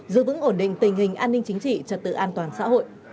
giữ vững ổn định tình hình an ninh chính trị trật tự an toàn xã hội